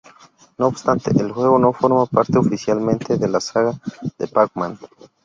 No obstante, el juego no forma parte oficialmente de la saga de Pac-Man.